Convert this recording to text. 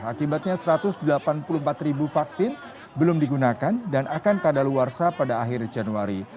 akibatnya satu ratus delapan puluh empat vaksin belum digunakan dan akan keadaluarsa pada akhir januari